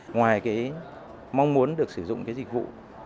ngoài mong muốn được sử dụng cái dịch vụ